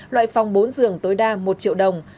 loại phòng bốn dường tối đa một triệu đồng